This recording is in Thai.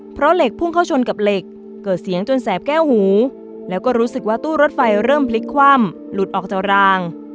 เพราะเหล็กพุ่งเข้าชนกับเหล็กเกิดเสียงจนแสบแก้วหูแล้วก็รู้สึกว่าตู้รถไฟเริ่มพลิกคว่ำหลุดออกจากราง